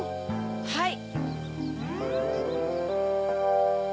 はい。